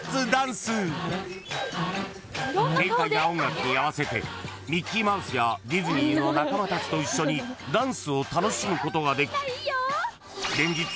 ［軽快な音楽に合わせてミッキーマウスやディズニーの仲間たちと一緒にダンスを楽しむことができ］